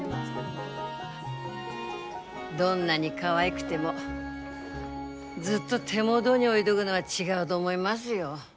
どんなにかわいくてもずっと手元に置いどぐのは違うど思いますよ。